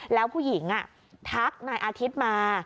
แล้วผู้หญิงทักนายอาทิตย์มา